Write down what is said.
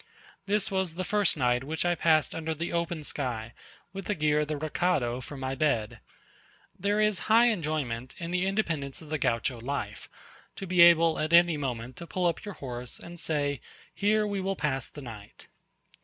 This was the first night which I passed under the open sky, with the gear of the recado for my bed. There is high enjoyment in the independence of the Gaucho life to be able at any moment to pull up your horse, and say, "Here we will pass the night."